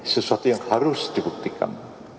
sesuatu yang harus dibuktikan